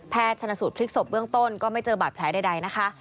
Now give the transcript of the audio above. ชนะสูตรพลิกศพเบื้องต้นก็ไม่เจอบาดแผลใดนะคะ